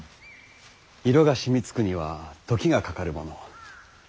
色が染みつくには時がかかるもの。